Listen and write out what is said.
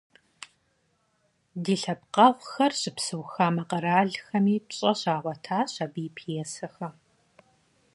Ди лъэпкъэгъухэр щыпсэу хамэ къэралхэми пщӏэ щагъуэтащ абы и пьесэхэм.